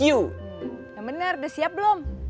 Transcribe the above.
ya bener udah siap belum